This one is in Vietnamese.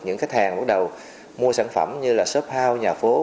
những khách hàng bắt đầu mua sản phẩm như là shop house nhà phố